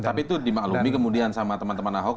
tapi itu dimaklumi kemudian sama teman teman ahok